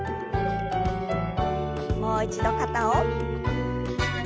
もう一度肩を。